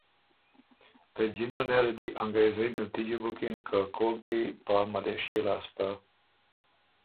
ته جِنه نېله دی انګرېزئ مِلتجی بُکِن که کوک دی یا ملېشئے لاسته